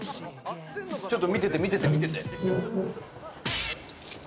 ちょっと見てて見てて。